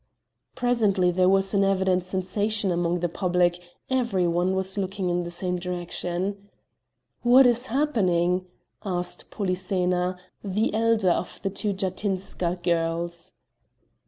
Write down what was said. Presently there was an evident sensation among the public; every one was looking in the same direction. "What is happening?" asked Polyxena, the elder of the two Jatinska girls.